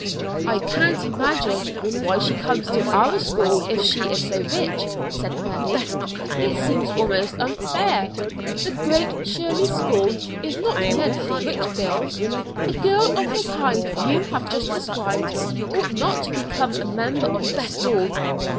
"I can't imagine why she comes to our school if she is so rich," said Mary. "It seems almost unfair. The Great Shirley School is not meant for rich girls: a girl of the kind you have just described ought not to become a member of the school."